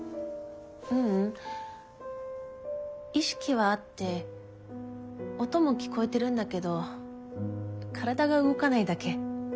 ううん意識はあって音も聞こえてるんだけど体が動かないだけ。